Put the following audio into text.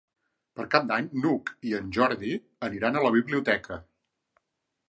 Per Cap d'Any n'Hug i en Jordi aniran a la biblioteca.